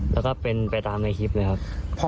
แล้วก็เป็นไปตามในคลิปเลยครับ